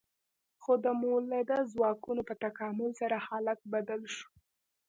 خو د مؤلده ځواکونو په تکامل سره حالت بدل شو.